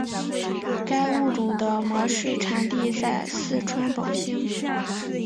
该物种的模式产地在四川宝兴。